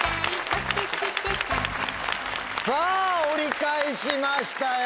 さぁ折り返しましたよ！